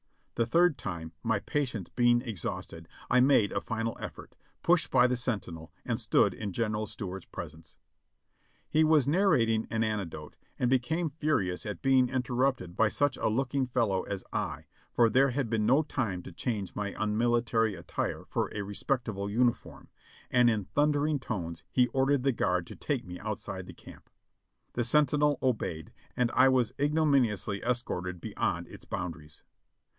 The third time, my patience being exhausted, I made a final effort, pushed by the sentinel, and stood in General Stuart's presence. He was narrating an anecdote, and became furious at beingf in 5l6 JOHNNY REB and BILLY YANK terrupted by such a looking fellow as I, for there had been no time to change my unmilitary attire for a respectable uniform, and in thundering tones he ordered the guard to take me outside the camp. The sentinel obeyed, and I was ignominiously escorted beyond its boundaries.